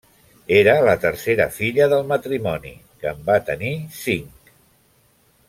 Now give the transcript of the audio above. Era la tercera filla del matrimoni, que en va tenir cinc.